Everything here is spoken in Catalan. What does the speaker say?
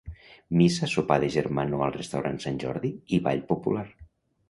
Missa, sopar de germanor al Restaurant Sant Jordi i ball popular.